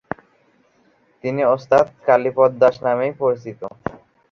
তিনি ওস্তাদ কালীপদ দাস নামেই পরিচিত।